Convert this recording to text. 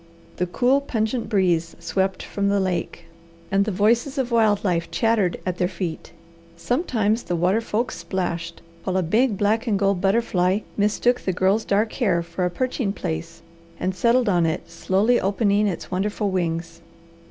The cool, pungent breeze swept from the lake, and the voices of wild life chattered at their feet. Sometimes the water folks splashed, while a big black and gold butterfly mistook the Girl's dark hair for a perching place and settled on it, slowly opening its wonderful wings.